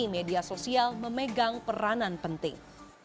media sosial memegang peranan penting